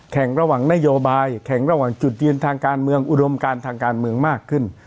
ระหว่างนโยบายแข่งระหว่างจุดยืนทางการเมืองอุดมการทางการเมืองมากขึ้น